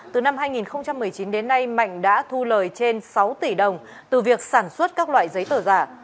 từ năm hai nghìn một mươi chín đến nay mạnh đã thu lời trên sáu tỷ đồng từ việc sản xuất các loại giấy tờ giả